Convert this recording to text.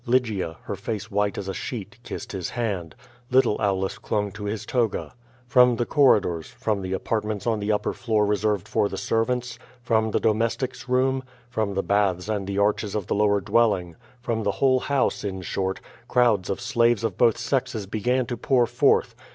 Lygia, her face white as a sheet, kissed his hand; little Aulus clung to his toga. From the corridors, from the apartments on the upper floor reserved for the servants, from the domes tics' room, from the baths and the arches of the lower divcU ing, from the whole house, in short, crowds of slaves of both sexes began to pour forth.